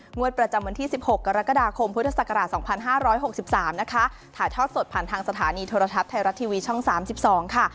งวดประจำวันที่๑๖กรกฎาคมพุทธศักราช๒๕๖๓นะคะถ่ายทอดสดผ่านทางสถานีโทรทัศน์ไทยรัฐทีวีช่อง๓๒ค่ะ